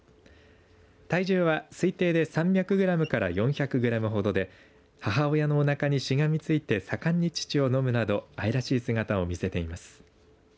体重は推定で３００グラムから４００グラムほどで母親のおなかにしがみついて盛んに乳を飲むなど愛らしい姿を見せています。